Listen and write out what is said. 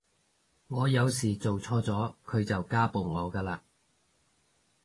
我有時做錯咗佢就家暴我㗎喇